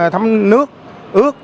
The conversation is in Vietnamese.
thấm nước ướt